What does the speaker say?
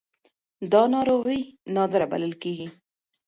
دا ناروغي نادره بلل کېږي.